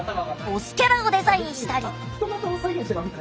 ボスキャラをデザインしたり。